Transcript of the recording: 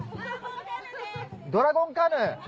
ドラゴンカヌー？